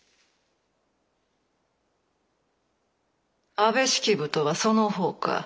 ・安部式部とはその方か？